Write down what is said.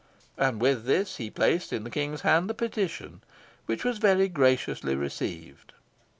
And with this he placed in the King's hands the petition, which Was very graciously received.